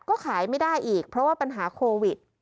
ก็ขายไม่ได้อีกเพราะว่าปัญหาโควิด